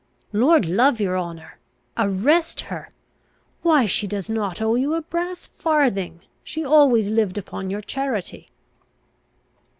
"Lord love your honour! Arrest her! Why she does not owe you a brass farthing: she always lived upon your charity!"